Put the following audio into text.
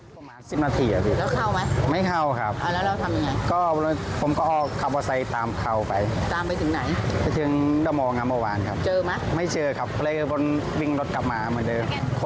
คือเร็บอย่างเดียวคุณลีบแบบไวมาก